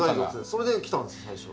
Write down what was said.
それで来たんです最初。